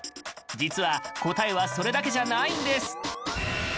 実は答えはそれだけじゃないんです。